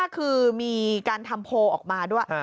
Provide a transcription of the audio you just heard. คือมีการทำโพลออกมาด้วย